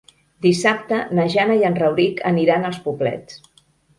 Dissabte na Jana i en Rauric aniran als Poblets.